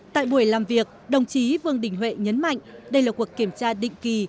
tại buổi làm việc đồng chí vương đình huệ nhấn mạnh đây là cuộc kiểm tra định kỳ